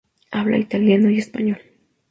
Habla italiano y español.